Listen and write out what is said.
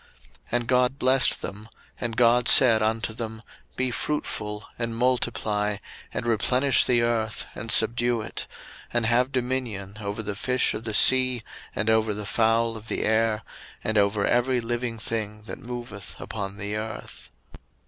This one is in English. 01:001:028 And God blessed them, and God said unto them, Be fruitful, and multiply, and replenish the earth, and subdue it: and have dominion over the fish of the sea, and over the fowl of the air, and over every living thing that moveth upon the earth.